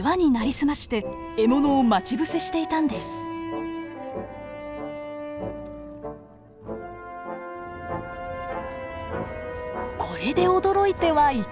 これで驚いてはいけません。